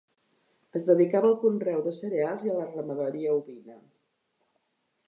Es dedicava al conreu de cereals i a la ramaderia ovina.